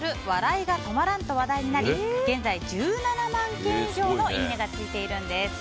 笑いが止まらんと話題になり現在１７万件以上のいいねがついているんです。